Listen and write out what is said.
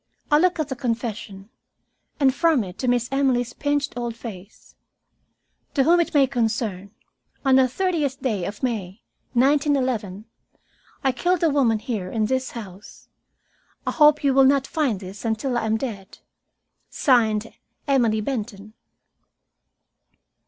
I looked at the confession, and from it to Miss Emily's pinched old face. "To whom it may concern: On the 30th day of May, 1911, I killed a woman here in this house. I hope you will not find this until I am dead. "(Signed) EMILY BENTON."